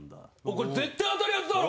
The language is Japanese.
これ絶対当たるやつだろ！